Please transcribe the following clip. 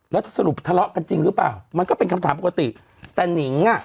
แล้วสรุปทะเลาะกันจริงหรือเปล่ามันก็เป็นคำถามปกติแต่หนิงอ่ะ